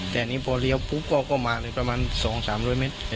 แต่อันนี้พอเลี้ยวปุ๊บก็มาเลยประมาณ๒๓๐๐เมตร